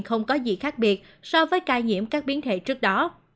không có gì khác biệt so với ca nhiễm các biến thể trước đó